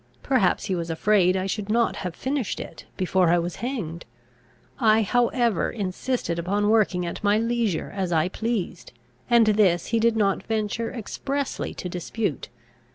Perhaps he was afraid I should not have finished it, before I was hanged. I however insisted upon working at my leisure as I pleased; and this he did not venture expressly to dispute.